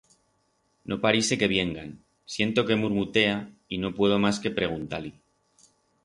No parixe que viengan. Siento que murmutea y no puedo mas que preguntar-li: